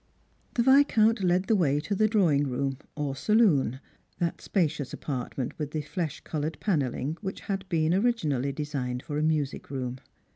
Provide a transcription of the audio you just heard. The Viscount led the way to the drawing room, or saloon — that spacious apartment with the flesh coloured panelling which had been originally designed for a music room.